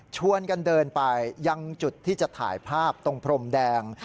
ชวนกันเดินไปยังจุดที่จะถ่ายภาพตรงพรมแดง